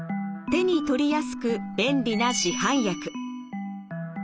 手に取りやすく便利な市販薬。